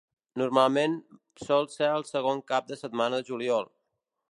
Normalment sol ser el segon cap de setmana de juliol.